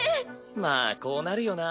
まあこうなるよな。